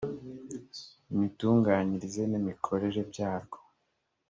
imitunganyirize n imikorere byarwo